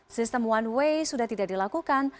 sistem one way sudah tidak dilakukan